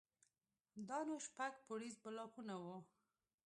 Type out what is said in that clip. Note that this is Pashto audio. دا نو شپږ پوړيز بلاکونه وو.